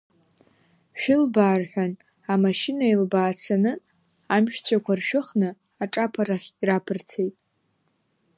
Шәылбаа рҳәан, амашьына илбаацаны, амшәцәақәа ршәыхны аҿаԥарахь ираԥырцеит.